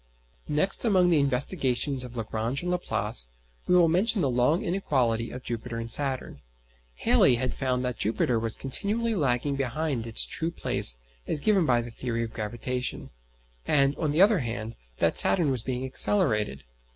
Next among the investigations of Lagrange and Laplace we will mention the long inequality of Jupiter and Saturn. Halley had found that Jupiter was continually lagging behind its true place as given by the theory of gravitation; and, on the other hand, that Saturn was being accelerated.